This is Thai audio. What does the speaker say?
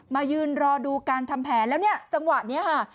มายืนรอดูการทำแผนแล้วเนี่ยจังหวะนี้ค่ะ